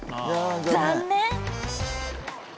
残念！